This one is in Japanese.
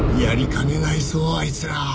やりかねないぞあいつら。